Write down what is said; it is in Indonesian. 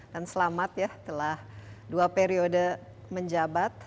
dan selamat ya telah dua periode menjabat